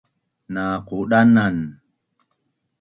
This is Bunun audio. na qudanan